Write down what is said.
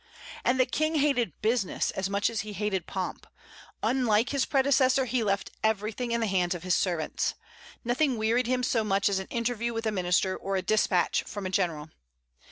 And the King hated business as much as he hated pomp. Unlike his predecessor, he left everything in the hands of his servants. Nothing wearied him so much as an interview with a minister, or a dispatch from a general.